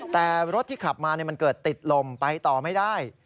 แต่รถที่ขับมามันเกิดติดลมไปต่อไม่ได้